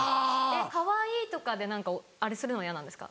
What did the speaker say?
「かわいい！」とかで何かあれするのは嫌なんですか？